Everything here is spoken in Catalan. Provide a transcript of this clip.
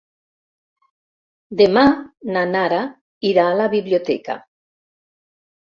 Demà na Nara irà a la biblioteca.